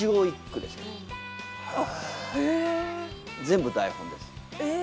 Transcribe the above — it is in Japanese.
全部台本です。